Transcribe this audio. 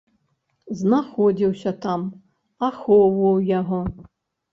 Знаходзіўся там, ахоўваў яго.